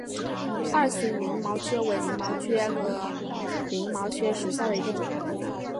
二型鳞毛蕨为鳞毛蕨科鳞毛蕨属下的一个种。